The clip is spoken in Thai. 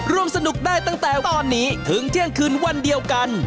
ร่วมสนุกได้ตั้งแต่ตอนนี้ถึงเที่ยงคืนวันเดียวกัน